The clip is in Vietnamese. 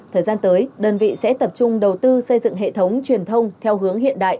thời gian tới đơn vị sẽ tập trung đầu tư xây dựng hệ thống truyền thông theo hướng hiện đại